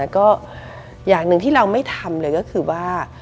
ก็อย่างหนึ่งที่เราไม่ทำเลยก็คือว่า